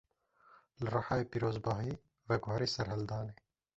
Li Rihayê pîrozbahî, veguherî serhildanê